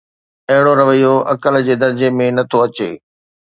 اهڙو رويو عقل جي درجي ۾ نه ٿو اچي.